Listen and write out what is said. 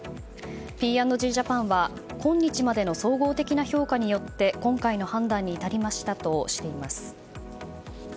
Ｐ＆Ｇジャパンは今日までの総合的な評価によって今回の判断に至りましたとしています。